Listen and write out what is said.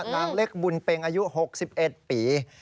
นางเล็กบุญเป็งอายุ๖๑ปี